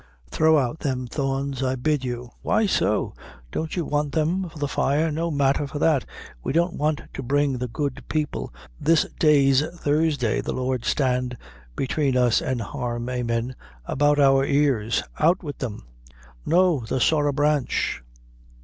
"Throw out them thorns, I bid you." "Why so? Don't we want them for the fire?" "No matther for that; we don't want to bring 'the good people' this day's Thursday, the Lord stand between us an' harm amin! about our ears. Out wid them." "No, the sorra branch."